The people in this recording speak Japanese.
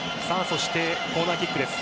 そしてコーナーキックです。